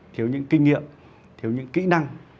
thiếu những kinh nghiệm thiếu những kỹ năng